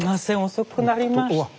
遅くなりました。